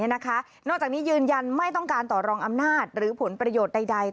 นอกจากนี้ยืนยันไม่ต้องการต่อรองอำนาจหรือผลประโยชน์ใด